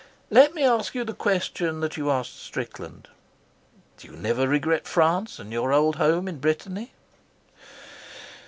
"Let me ask you the question that you asked Strickland. Do you never regret France and your old home in Brittany?"